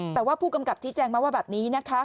แต่ว่าผู้กำกับชี้แจงมาว่าแบบนี้นะคะ